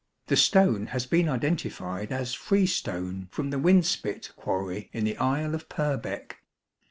The stone has been identified as freestone from the Winspit quarry in the Isle of Purbeck.